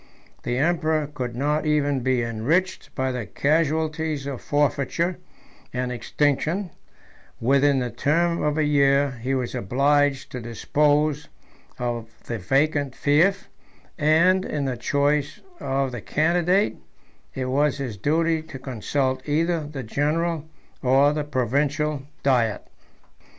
The emperor could not even be enriched by the casualties of forfeiture and extinction: within the term of a year, he was obliged to dispose of the vacant fief; and, in the choice of the candidate, it was his duty to consult either the general or the provincial diet.